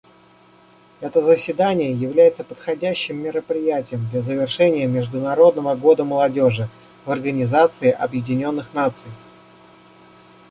Это заседание является подходящим мероприятием для завершения Международного года молодежи в Организации Объединенных Наций.